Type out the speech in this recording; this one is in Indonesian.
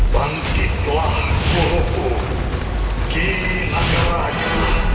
bangkitlah guru guru kinagan raja